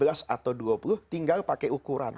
tiga belas atau dua puluh tinggal pakai ukuran